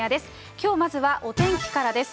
きょうまずはお天気からです。